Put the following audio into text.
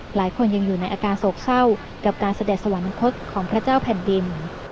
หลายคนยังอยู่ในอาการโศกเศร้ากับการเสด็จสวรรคตของพระเจ้าแผ่นดิน